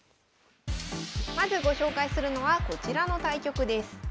まずご紹介するのはこちらの対局です。